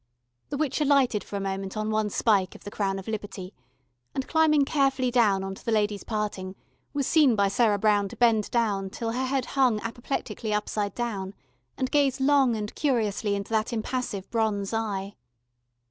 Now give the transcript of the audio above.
The witch alighted for a moment on one spike of the crown of Liberty, and climbing carefully down on to the lady's parting, was seen by Sarah Brown to bend down till her head hung apoplectically upside down, and gaze long and curiously into that impassive bronze eye.